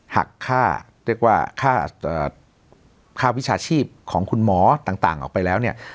หักค่าวิชาชีพของคุณหมอต่างออกไปแล้ว